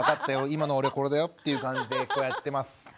今の俺これだよっていう感じでこうやってます。